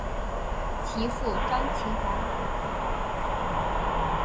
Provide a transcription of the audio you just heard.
其父张其锽。